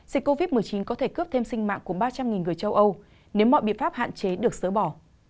dịch covid một mươi chín có thể cướp thêm sinh mạng của ba trăm linh người châu âu nếu mọi biện pháp hạn chế được sớ bỏ